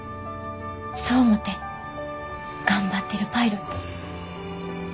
そう思って頑張ってるパイロット。